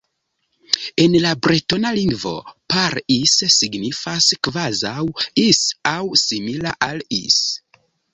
En la bretona lingvo "Par Is" signifas "kvazaŭ Is" aŭ "simila al Is".